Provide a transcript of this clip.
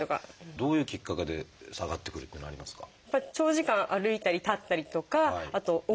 どういうきっかけで下がってくるっていうのありますか？